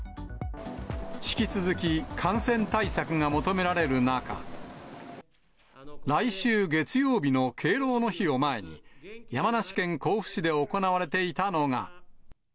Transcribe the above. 引き続き感染対策が求められる中、来週月曜日の敬老の日を前に、山梨県甲府市で行われていたのが。